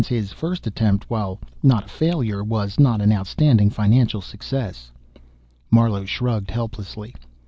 Particularly since his first attempt, while not a failure, was not an outstanding financial success?" Marlowe shrugged helplessly.